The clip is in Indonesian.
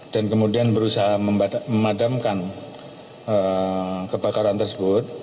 dan kemudian berusaha memadamkan kebakaran tersebut